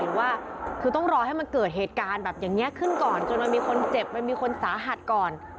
ว่าคือต้องรอให้มันเกิดเหตุการณ์แบบอย่างนี้ขึ้นก่อนจนมันมีคนเจ็บมันมีคนสาหัสก่อน